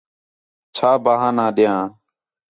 چھا بہانہ ڈیاں